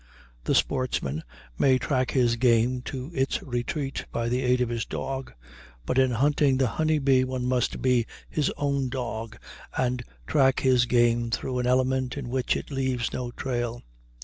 The sportsman may track his game to its retreat by the aid of his dog, but in hunting the honey bee one must be his own dog, and track his game through an element in which it leaves no trail.